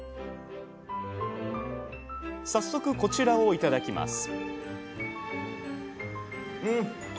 早速こちらを頂きます